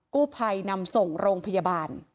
กู้ภัยนำส่งโรงพยาบาล